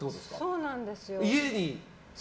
そうなんです。